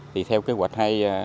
thì theo kế hoạch